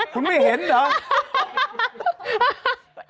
คุณไม่เห็นเหรอ